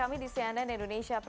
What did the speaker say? tapi itu harus di situ